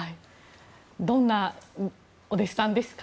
どんなお弟子さんですか？